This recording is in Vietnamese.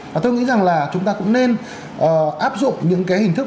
và tôi nghĩ rằng là chúng ta cũng nên áp dụng những cái hình thức